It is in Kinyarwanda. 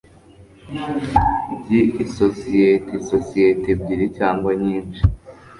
ry isosiyete isosiyete ebyiri cyangwa nyinshi